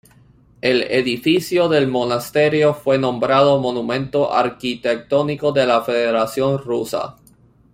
El edificio del monasterio fue nombrado monumento arquitectónico de la Federación Rusa